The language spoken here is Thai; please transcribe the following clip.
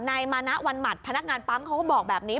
นายมานะวันหมัดพนักงานปั๊มเขาก็บอกแบบนี้